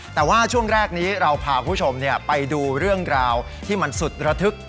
แต่ว่าช่วงแรกนี้เราพาคุณผู้ชมไปดูเรื่องราวที่มันสุดระทึก